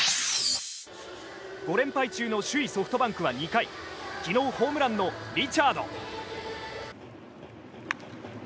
５連敗中の首位ソフトバンクは２回昨日ホームランのリチャード。